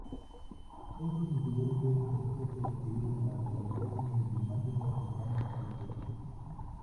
Estos incidentes por poco destruyeron las relaciones diplomáticas entre ambos países.